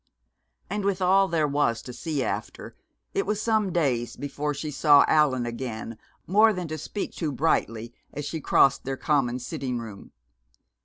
And with all there was to see after, it was some days before she saw Allan again, more than to speak to brightly as she crossed their common sitting room.